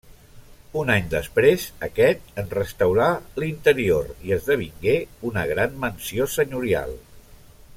Un any després, aquest en restaurà l'interior i esdevingué una gran mansió senyorial.